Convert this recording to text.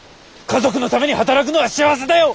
家族のために働くのは幸せだよ！